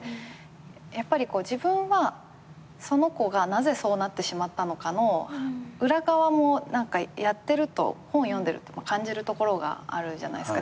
やっぱり自分はその子がなぜそうなってしまったのかの裏側もやってると本読んでると感じるところがあるじゃないですか。